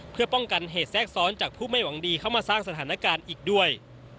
เพื่อป้องกันเหตุแทรกซ้อนจากผู้ไม่หวังดีเข้ามาสร้างสถานการณ์อีกด้วย